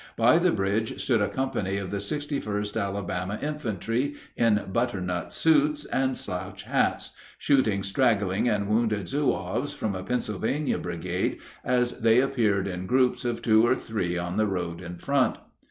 By the bridge stood a company of the 61st Alabama Infantry in butternut suits and slouch hats, shooting straggling and wounded Zouaves from a Pennsylvania brigade as they appeared in groups of two or three on the road in front.